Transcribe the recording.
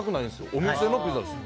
お店のピザです。